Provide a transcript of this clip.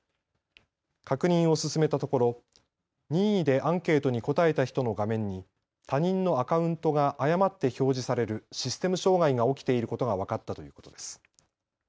確認を進めたところ任意でアンケートに答えた人の画面に他人のアカウントが誤って表示されるシステム障害が起きていることが分かったということです。